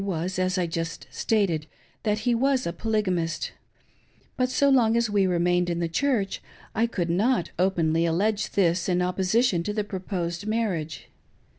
was, as I just stated, that he was a polygamist ; but so long as we remained in the Church I could not openly allege this in opposition to the proposed marrifige.